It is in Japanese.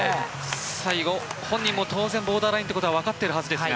最後は本人も当然ボーダーラインということはわかっているはずですが。